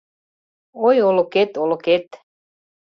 Ой, олыкет, олыкет